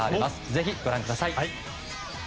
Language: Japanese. ぜひ、ご覧ください。